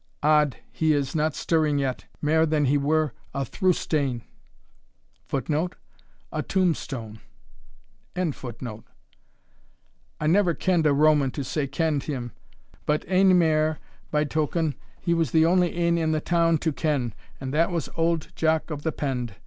Od, he is not stirring yet, mair than he were a through stane! [Footnote: A tombstone.] I never kend a Roman, to say kend him, but ane mair by token, he was the only ane in the town to ken and that was auld Jock of the Pend.